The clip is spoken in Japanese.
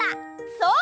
そう！？